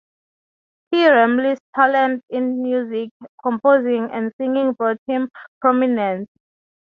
P. Ramlee's talents in music composing and singing brought him prominence.